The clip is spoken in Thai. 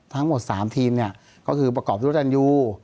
ทั้งหมด๓ทีมเนี่ยก็คือประกอบด้วยตันยู